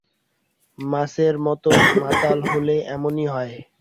মাছের মতন মাতাল হলে এমনই হয়!